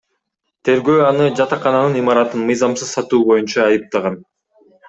Тергөө аны жатакананын имаратын мыйзамсыз сатуу боюнча айыптаган.